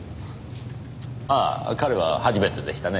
ああ彼は初めてでしたね。